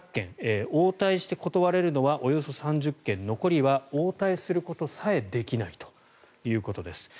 応対して断れるのはおよそ３０件残りは応対することさえできないということです。